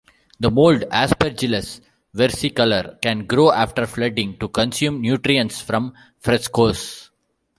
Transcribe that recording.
The mold aspergillus versicolor can grow after flooding, to consume nutrients from frescoes.